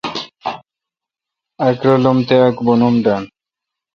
اک رالم تہ اک بونم ڈنڈ۔